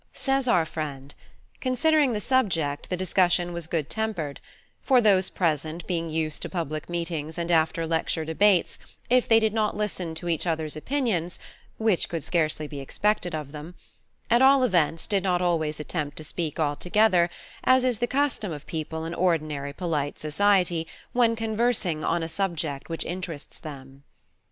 Says our friend: Considering the subject, the discussion was good tempered; for those present being used to public meetings and after lecture debates, if they did not listen to each others' opinions (which could scarcely be expected of them), at all events did not always attempt to speak all together, as is the custom of people in ordinary polite society when conversing on a subject which interests them.